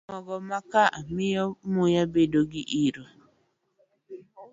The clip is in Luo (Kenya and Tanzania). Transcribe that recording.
Mogo makaa miyo muya bedo gi iro.